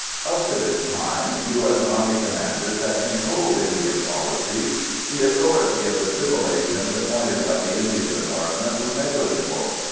Up to this time, U.S. Army commanders had controlled Indian policies; the authority of the civil agents appointed by the Indian Department was negligible.